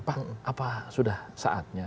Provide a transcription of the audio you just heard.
pak apa sudah saatnya